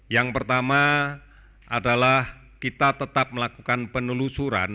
yang pertama adalah kita tetap melakukan penelusuran